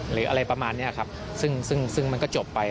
หรืออะไรประมาณนี้ครับซึ่งซึ่งมันก็จบไป